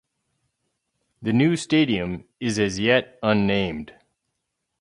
The new stadium is as yet unnamed.